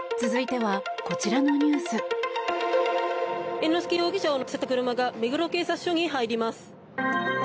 猿之助容疑者を乗せた車が目黒警察署に入ります。